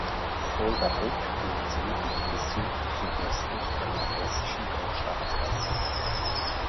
Fuldabrück liegt südlich bis südsüdöstlich der nordhessischen Großstadt Kassel.